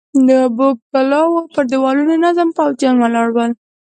د اوو کلاوو پر دېوالونو منظم پوځيان ولاړ ول.